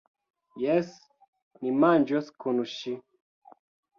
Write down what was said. Jes, ni manĝos kun ŜI.